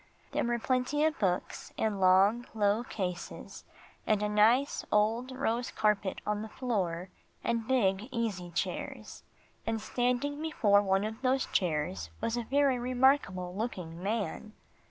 There were plenty of books in long, low cases, and a nice old rose carpet on the floor, and big easy chairs. And standing before one of those chairs was a very remarkable looking man.